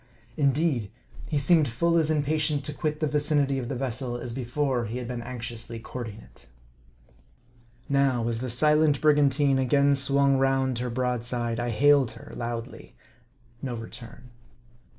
Indeed, he seemed full as impatient to quit the vicinity of the vessel, as before he had been anxiously courting it. Now, as the silent brigantine again swung round her broadside, I hailed her loudly. No return.